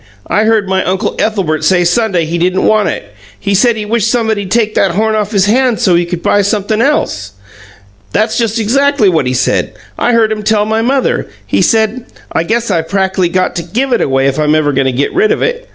I heard my Uncle Ethelbert say Sunday he didn't want it. He said he wished somebody'd take that horn off his hands so's he could buy sumpthing else. That's just exactly what he said. I heard him tell my mother. He said, 'I guess I prackly got to give it away if I'm ever goin' to get rid of it.'